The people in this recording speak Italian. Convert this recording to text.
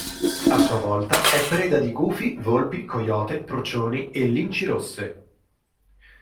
A sua volta è preda di gufi, volpi, coyote, procioni e linci rosse.